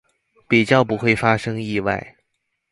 比較不會發生意外